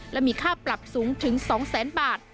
และมีค่าปรับสูงถึง๒แสนบาท